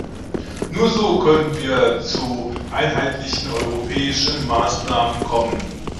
Nur so können wir zu einheitlichen europäischen Maßnahmen kommen.